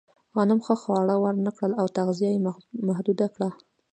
غنم ښه خواړه ورنهکړل او تغذیه یې محدوده کړه.